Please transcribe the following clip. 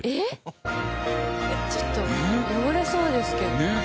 ちょっと汚れそうですけど。